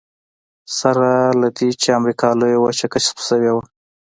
سره له دې چې امریکا لویه وچه کشف شوې وه.